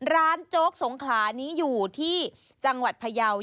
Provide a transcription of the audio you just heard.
โจ๊กสงขลานี้อยู่ที่จังหวัดพยาว